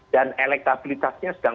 dan elektabilitasnya sedang